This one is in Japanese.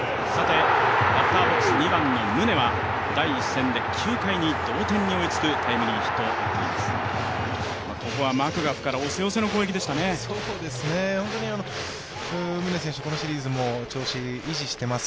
バッターボックス２番の宗は第１戦の９回に同点に追いつくタイムリーヒットを放っています。